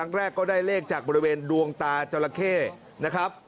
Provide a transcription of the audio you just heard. แรกก็ได้เลขจากบริเวณดวงตาจราเข้นะครับ